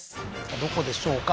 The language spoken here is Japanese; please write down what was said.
どこでしょうか？